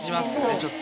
ちょっと。